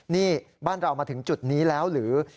นี่บ้านเรามาถึงจุดนี้แล้วหรือ